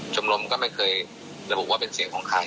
ชมรมก็ไม่เคยระบุว่าเป็นเสียงของใคร